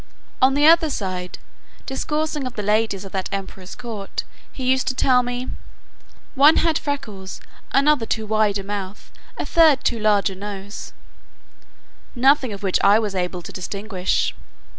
On the other side, discoursing of the ladies in that emperor's court, he used to tell me, "one had freckles; another too wide a mouth; a third too large a nose;" nothing of which I was able to distinguish.